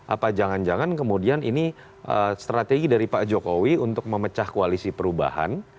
apa jangan jangan kemudian ini strategi dari pak jokowi untuk memecah koalisi perubahan